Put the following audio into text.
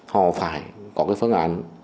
họ phải có cái phương án